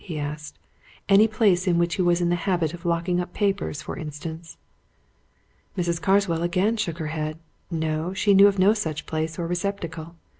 he asked. "Any place in which he was in the habit of locking up papers, for instance?" Mrs. Carswell again shook her head. No, she knew of no such place or receptacle.